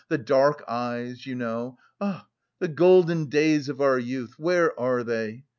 The dark eyes, you know! Ah, the golden days of our youth, where are they?).